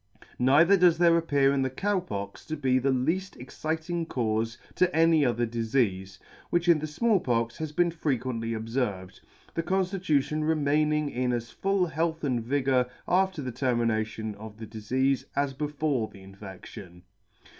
Neither does there appear in the Cow Pox to be the lead: exciting caufe to any other difeafe, which in the Small Pox has been frequently obferved, the conftitution remaining in as full health and vigour after the termination of the difeafe as before the infection.